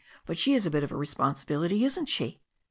"But she is a bit of a responsibility, isn't she?"